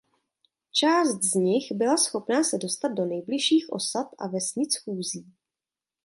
Část z nich byla schopna se dostat do nejbližších osad a vesnic chůzí.